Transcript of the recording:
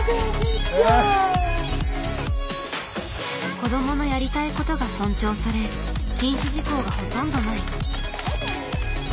子どものやりたいことが尊重され禁止事項がほとんどない。